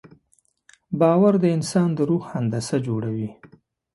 باور د انسان د روح هندسه جوړوي.